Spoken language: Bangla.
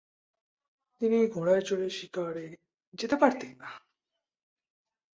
তিনি ঘোড়ায় চড়ে শিকারে যেতে পারতেন না।